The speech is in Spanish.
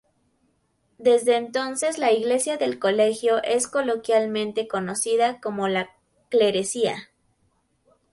Desde entonces la iglesia del colegio es coloquialmente conocida como "la Clerecía".